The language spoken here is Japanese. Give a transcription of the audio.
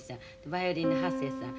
バイオリンの長谷さん